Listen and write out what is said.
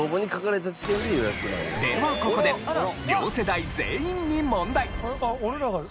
ではここで両世代全員に問題。